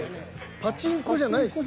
パチンコじゃないですよ。